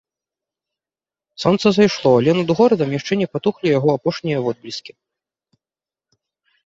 Сонца зайшло, але над горадам яшчэ не патухлі яго апошнія водбліскі.